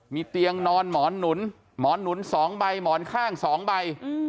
มีเตียงนอนหมอนหนุนหมอนหนุน๒ใบหมอนข้าง๒ใบ